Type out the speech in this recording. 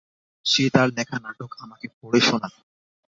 সে তার লেখা নাটক আমাকে পড়ে শোনাত।